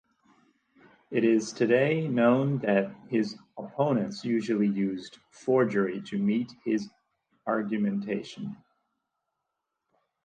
It is today known that his opponents usually used forgery to meet his argumentation.